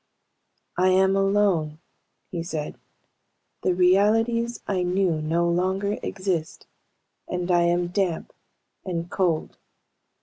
"I am alone," he said. "The realities I knew no longer exist, and I am damp and cold.